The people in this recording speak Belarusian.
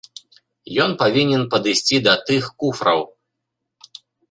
Ён павінен падысці да тых куфраў.